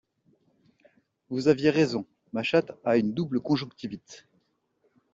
Vous aviez raison, ma chatte a une double conjonctivite.